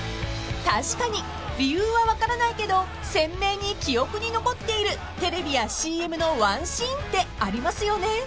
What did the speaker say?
［確かに理由は分からないけど鮮明に記憶に残っているテレビやＣＭのワンシーンってありますよね］